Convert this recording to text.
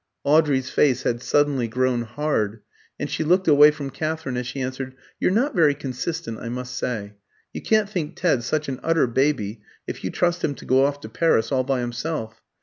Audrey's face had suddenly grown hard, and she looked away from Katherine as she answered, "You're not very consistent, I must say. You can't think Ted such an utter baby if you trust him to go off to Paris all by himself.